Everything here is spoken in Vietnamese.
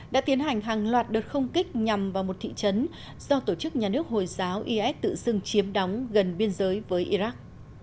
đã tiến hành hàng loạt đợt không kích nhằm vào một thị trấn do tổ chức nhà nước hồi giáo is tự xưng chiếm đóng gần biên giới với iraq